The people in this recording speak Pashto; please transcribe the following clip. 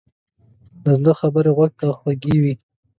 له زړه خبرې غوږ ته خوږې وي.